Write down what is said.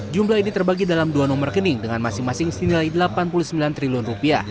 jumlah ini terbagi dalam dua nomor rekening dengan masing masing senilai rp delapan puluh sembilan triliun